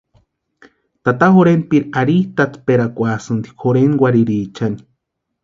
Tata jorhentpiri arhitʼatsperakwasïnti jorhenkwarhiriichani.